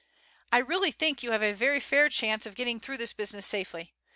I really think you have a very fair chance of getting through this business safely.